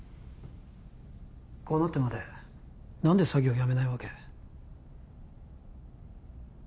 こうなってまで何で詐欺をやめないわけ？